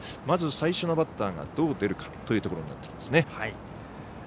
まず最初のバッターがどう出るかというところになりますね。